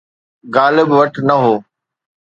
غالب وٽ نه هو.